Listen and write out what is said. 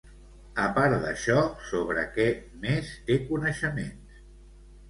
A part d'això, sobre què més té coneixements?